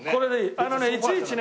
あのねいちいちね。